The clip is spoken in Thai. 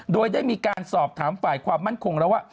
โดยได้มีการสอบถามฝ่ายความมั่นคงแล้วว่า